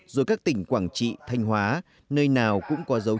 rồi các tỉnh quảng trị thanh hóa nơi nào cũng có dấu hiệu